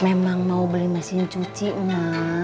memang mau beli mesin cuci umam